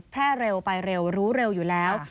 แพร่เร็วไปเร็วรู้เร็วอยู่แล้ว